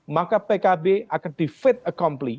maka pkb akan di faith accomply